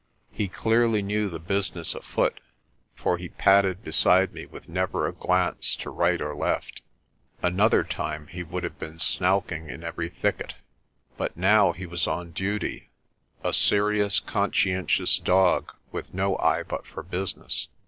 He clearly knew the business afoot, for he padded beside me with never a glance to right or left. Another time he would have been COLLAR OF PRESTER JOHN 175 snowking in every thicket. But now he was on duty, a serious, conscientious dog with no eye but for business.